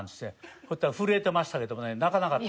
そしたら震えてましたけどね泣かなかった。